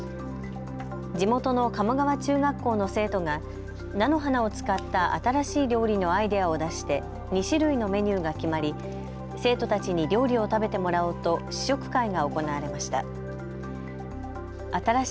地元の鴨川中学校の生徒が菜の花を使った新しい料理のアイデアを出して２種類のメニューが決まり生徒たちに料理を食べてもらおうと試食会が行われました。